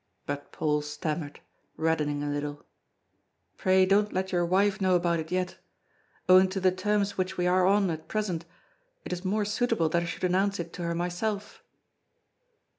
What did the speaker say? But Paul stammered, reddening a little: "Pray don't let your wife know about it yet. Owing to the terms which we are on at present, it is more suitable that I should announce it to her myself."